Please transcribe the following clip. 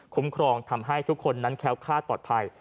คุ้มครองทำให้ทุกคนแค้วคราศปลอดภัย